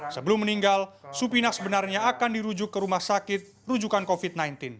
sebelum meninggal supina sebenarnya akan dirujuk ke rumah sakit rujukan covid sembilan belas